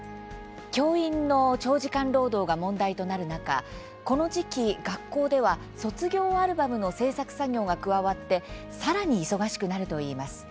教員の長時間労働が問題となる中この時期、学校では卒業アルバムの制作作業が加わって、さらに忙しくなるといいます。